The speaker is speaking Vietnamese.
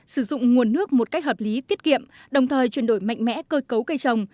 sử dụng nguồn nước một cách hợp lý tiết kiệm đồng thời chuyển đổi mạnh mẽ cơ cấu cây trồng